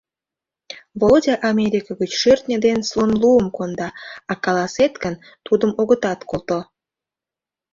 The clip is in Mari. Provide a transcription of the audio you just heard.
— Володя Америка гыч шӧртньӧ ден слон луым конда, а каласет гын, тудым огытат колто.